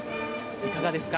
いかがですか。